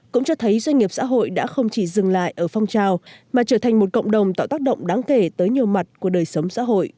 cũng cho thấy doanh nghiệp xã hội đã không chỉ dừng lại ở phong trào mà trở thành một cộng đồng tạo tác động đáng kể tới nhiều mặt của đời sống xã hội